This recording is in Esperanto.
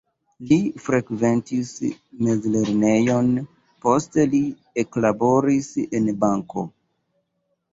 Li frekventis mezlernejon, poste li eklaboris en banko.